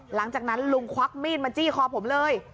หลังจากนั้นลุงควักมีดมาจี้คอผมเลย